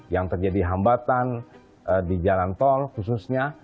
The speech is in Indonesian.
yang terjadi hambatan di jalan tol khususnya